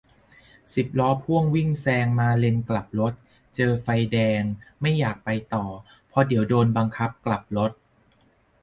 สิบล้อพ่วงวิ่งแซงมาเลนกลับรถ เจอไฟแดง ไม่อยากไปต่อ เพราะเดี๋ยวโดนบังคับกลับรถ